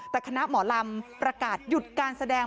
แต่คณะหมอลำประกาศหยุดการแสดง